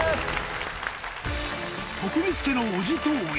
徳光家のおじとおい